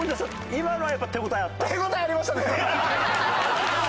今のはやっぱ手応えあった？